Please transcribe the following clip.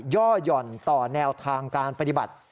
่อหย่อนต่อแนวทางการปฏิบัติ